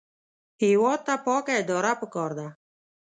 هېواد ته پاکه اداره پکار ده